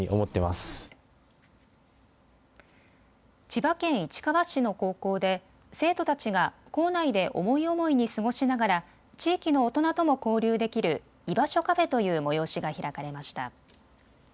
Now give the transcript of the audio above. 千葉県市川市の高校で生徒たちが校内で思い思いに過ごしながら地域の大人とも交流できる居場所カフェという催しが開かれました。